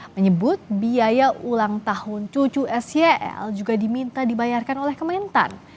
menyebut biaya ulang tahun cucu seyel juga diminta dibayarkan oleh kementan